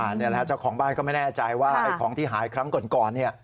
นี่แหละเจ้าของบ้านก็ไม่แน่ใจว่าไอ้ของที่หายครั้งก่อนเนี่ย